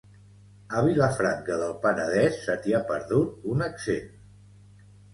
A Vilafranca del Penedès se t'hi ha perdut un accent